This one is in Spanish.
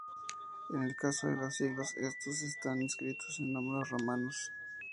En el caso de los siglos, estos están escritos en números romanos.